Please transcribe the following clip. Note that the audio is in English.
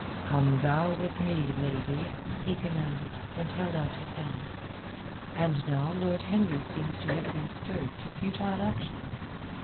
"Come thou with me, lady," he commanded, and held out his hand. And now Lord Henry seems to have been stirred to futile action.